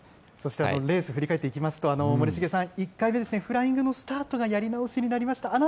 レース振り返っていきますと、森重さん、１回目、フライングのスタートがやり直しになりました。